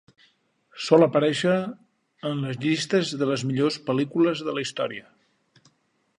Sol aparèixer en les llistes de les millors pel·lícules de la història.